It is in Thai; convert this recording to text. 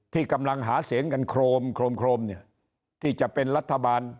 ที่กำลังหาเสียงกันโครมโครมเนี่ยที่จะเป็นรัฐบาล